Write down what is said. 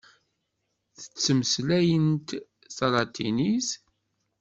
Tettmeslayemt talatinit?